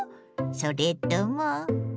それとも。